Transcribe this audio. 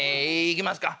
いきますか。